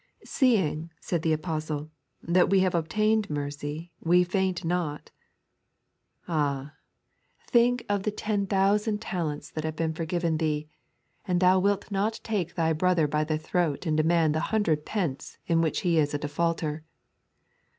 "Seeing," said the Apostle, "that we have obtained mercy, we faint not." Ah, think of the ten 3.n.iized by Google The Wat to Pdetit. 39 thousand talents that have been tarpven thee, and thou wilt not take thy brother by the throat and demand the hundred peuce in which he is a defaulter.